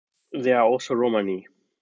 There are also Romani.